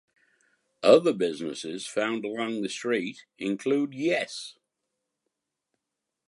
Other businesses found along the street include Yes!